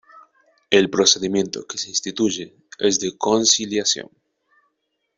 El procedimiento que se instituye es de conciliación.